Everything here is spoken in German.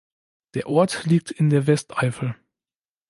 Der Ort liegt in der Westeifel.